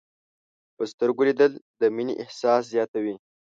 په سترګو لیدل د مینې احساس زیاتوي